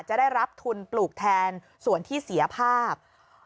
จะได้รับทุนปลูกแทนส่วนที่เสียภาพ